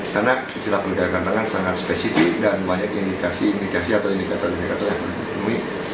karena istilah pergerakan tanah sangat spesifik dan banyak indikasi indikasi atau indikator indikator yang menemui